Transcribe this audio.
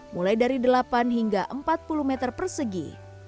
mulai dari delapan hingga empat puluh meter persegi